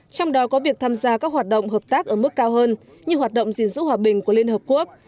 trong đó có việc tham gia các hoạt động hợp tác ở mức cao hơn như hoạt động gìn giữ hòa bình của liên hợp quốc